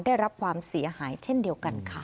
ได้รับความเสียหายเช่นเดียวกันค่ะ